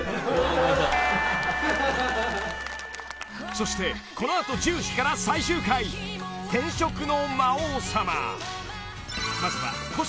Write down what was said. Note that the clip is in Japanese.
［そしてこの後１０時から最終回『転職の魔王様』］